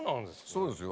そうですよ。